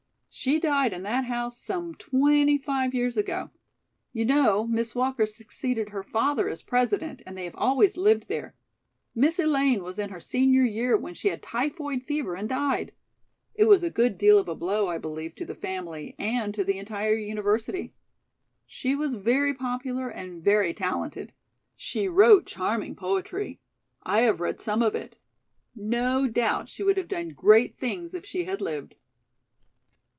"She died in that house some twenty five years ago. You know, Miss Walker succeeded her father as President and they have always lived there. Miss Elaine was in her senior year when she had typhoid fever and died. It was a good deal of a blow, I believe, to the family and to the entire University. She was very popular and very talented. She wrote charming poetry. I have read some of it. No doubt she would have done great things if she had lived."